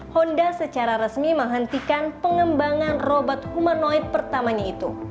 honda secara resmi menghentikan pengembangan robot humanoid pertamanya itu